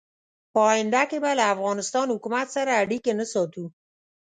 په آینده کې به له افغانستان حکومت سره اړیکې نه ساتو.